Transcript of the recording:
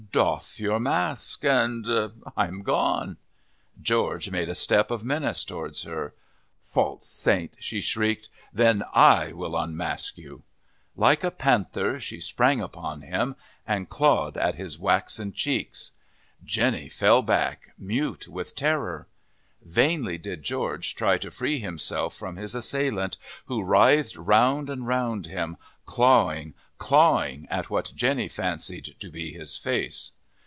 "Doff your mask and I am gone." George made a step of menace towards her. "False saint!" she shrieked, "then I will unmask you." Like a panther she sprang upon him and clawed at his waxen cheeks. Jenny fell back, mute with terror. Vainly did George try to free himself from his assailant, who writhed round and round him, clawing, clawing at what Jenny fancied to be his face.